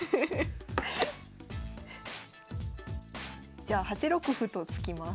じゃあ８六歩と突きます。